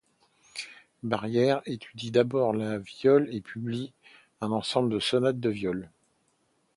Barrière étudie d'abord la viole et publie un ensemble de sonates de viole.